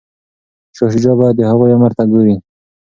شاه شجاع باید د هغوی امر ته ګوري.